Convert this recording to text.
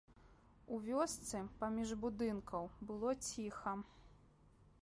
У вёсцы паміж будынкаў было ціха.